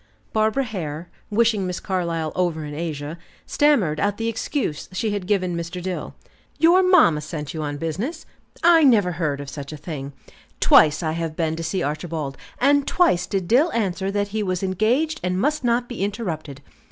Barbara Hare, wishing Miss Carlyle over in Asia, stammered out the excuse she had given Mr. Dill. "Your mamma sent you on business! I never heard of such a thing. Twice I have been to see Archibald, and twice did Dill answer that he was engaged and must not be interrupted.